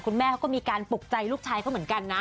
แม่เขาก็มีการปลุกใจลูกชายเขาเหมือนกันนะ